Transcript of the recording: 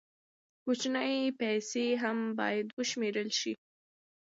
کوچنۍ پیسې هم باید وشمېرل شي.